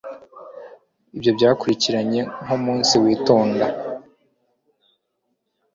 ibyo byakurikiranye nkumunsi witonda